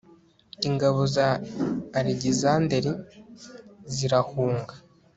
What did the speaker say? ingabo za alegisanderi zirahunga